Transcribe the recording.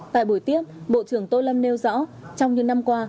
tại buổi tiếp bộ trưởng tô lâm nêu rõ trong những năm qua